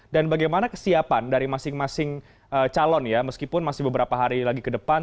dan bagaimana kesiapan dari masing masing calon ya meskipun masih beberapa hari lagi ke depan